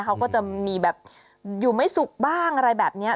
เขาก็จะมีแบบอยู่ไม่สุขบ้างอะไรแบบนี้